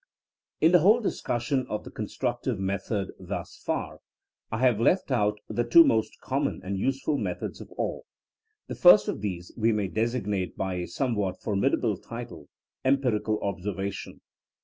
In the whole discussion of constructive method thus far, I have left out the two most common and useful methods of all. The first of these we may designate by a somewhat formid able title: empiricarl observation.